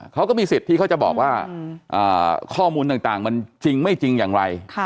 เขาก็มีสิทธิ์ที่เขาจะบอกว่าข้อมูลต่างมันจริงไม่จริงอย่างไร